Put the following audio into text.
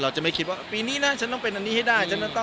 จะไม่คิดว่าปีนี้นะฉันต้องเป็นอันนี้ให้ได้